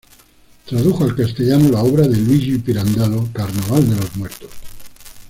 Tradujo al castellano la obra de Luigi Pirandello "Carnaval de los muertos".